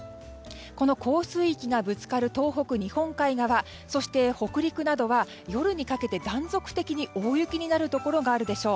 この降水域がぶつかる東北日本海側、そして北陸などは夜にかけて断続的に大雪になるところがあるでしょう。